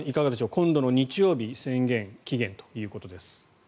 今度の日曜日宣言期限ということです。